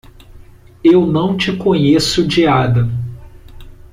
Eu não te conheço de Adam.